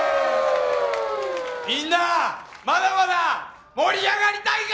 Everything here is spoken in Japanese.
みんなまだまだ盛り上がりたいか！